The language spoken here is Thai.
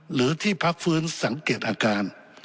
หรือที่พักฟื้นสังเกตอาการ